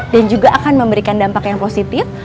dan juga akan memberikan dampak yang positif